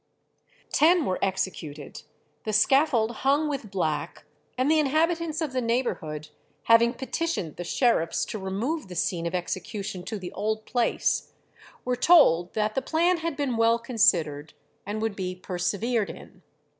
"Ten were executed; the scaffold hung with black; and the inhabitants of the neighbourhood, having petitioned the sheriffs to remove the scene of execution to the old place, were told that the plan had been well considered, and would be persevered in."